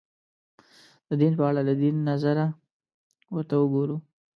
د دین په اړه له دین نظره ورته وګورو